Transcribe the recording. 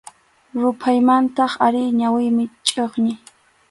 Ruphaymantach ari ñawiymi chʼuqñi.